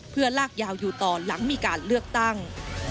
เพื่อลากยาวอยู่ต่อหลังมีการเลือกตั้ง